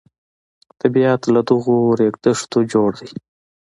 طبیعت له دغو ریګ دښتو جوړ دی.